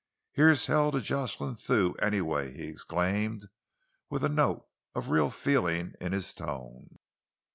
"Here's hell to Jocelyn Thew, anyway!" he exclaimed, with a note of real feeling in his tone.